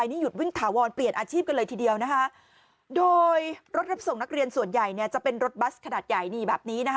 ผู้ประกอบการมากกว่าร้อยละสามสิบ